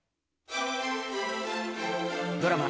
ドラマ